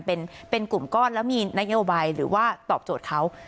เป็นกลุ่มก้อนแล้วมีนโยบายหรือว่าตอบโจทย์เขา